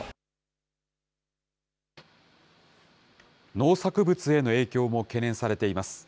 農作物への影響も懸念されています。